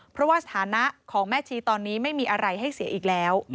เพราะว่าสถานะของแม่ชีตอนนี้ไม่มีอะไรให้เสียอีกแล้ว